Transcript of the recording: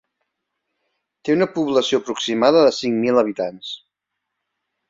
Té una població aproximada de cinc mil habitants.